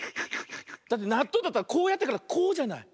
だってなっとうだったらこうやってからこうじゃない？